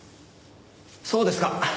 そうですか。